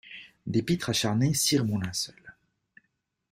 Des pitres acharnés cirent mon linceul.